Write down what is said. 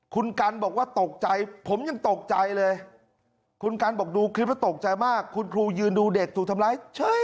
คุณกันบอกว่าตกใจผมยังตกใจเลยคุณกันบอกดูคลิปแล้วตกใจมากคุณครูยืนดูเด็กถูกทำร้ายเฉย